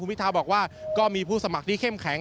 พิทาบอกว่าก็มีผู้สมัครที่เข้มแข็ง